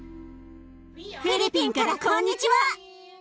フィリピンからこんにちは！